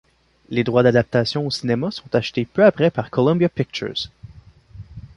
Les droits d'adaptation au cinéma sont achetés peu après par Columbia Pictures.